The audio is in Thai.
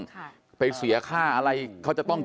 ผมก็กล้ายืนยันว่าไม่มีลองฟังพี่หนุ่มชี้แจงดูนะฮะ